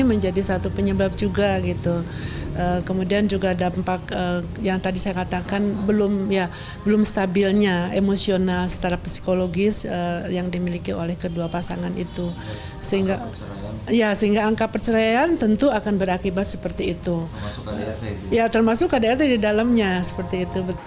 lima laporan tentang kekerasan dalam rumah tangga dan kekerasan terhadap anak